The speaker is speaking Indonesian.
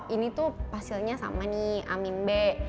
ini tuh hasilnya sama nih amin b